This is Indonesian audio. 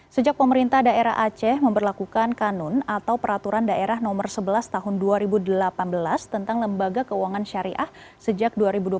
sejak pemerintah daerah aceh memperlakukan kanun atau peraturan daerah nomor sebelas tahun dua ribu delapan belas tentang lembaga keuangan syariah sejak dua ribu dua puluh